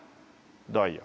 ダイヤ。